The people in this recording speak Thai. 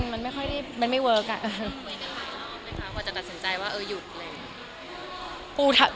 มันไม่ค่อยได้มันไม่เวิร์กอะ